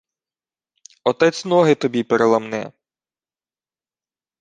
— Отець ноги тобі переламне.